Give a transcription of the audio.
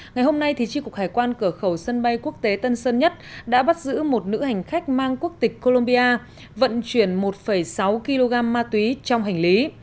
ngày hôm nay tri cục hải quan cửa khẩu sân bay quốc tế tân sơn nhất đã bắt giữ một nữ hành khách mang quốc tịch colombia vận chuyển một sáu kg ma túy trong hành lý